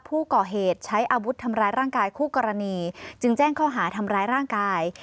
ผู้ก่อเหตุใช้อาวุธทำร้ายร่างกายคู่กรณีจึงแจ้งข้อหาทำร้ายร่างกาย